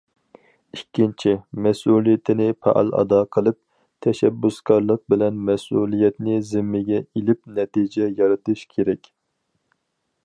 ئىككىنچى، مەسئۇلىيىتىنى پائال ئادا قىلىپ، تەشەببۇسكارلىق بىلەن مەسئۇلىيەتنى زىممىگە ئېلىپ نەتىجە يارىتىش كېرەك.